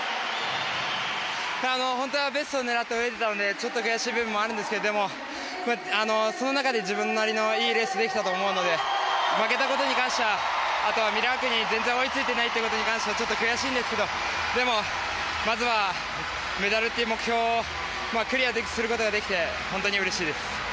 本当はベストを狙って泳いでいたのでちょっと悔しい部分もあるんですけどその中で自分なりのいいレースができたと思うので負けたことに関してはミラークに全然追いついてないってことに関してはちょっと悔しいんですけどでも、まずはメダルという目標をクリアすることができて本当にうれしいです。